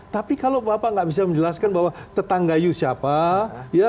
tapi kalau bapak tidak bisa menjelaskan bahwa tetangga itu siapa